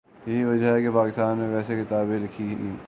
یہی وجہ ہے کہ پاکستان میں ویسی کتابیں لکھی گئیں۔